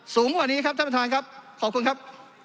สูงกว่านี้ครับท่านประธานครับขอบคุณครับ